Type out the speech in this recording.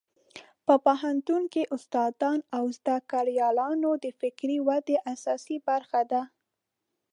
په پوهنتون کې استادان د زده کړیالانو د فکري ودې اساسي برخه ده.